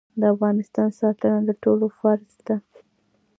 د افغانستان ساتنه د ټولو فرض دی